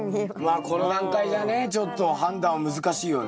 まあこの段階じゃねちょっと判断難しいよね。